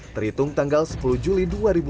terhitung tanggal sepuluh juli dua ribu dua puluh